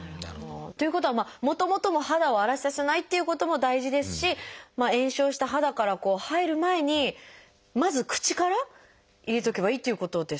ということはもともとの肌を荒れさせないっていうことも大事ですし炎症した肌から入る前にまず口から入れておけばいいっていうことですよね。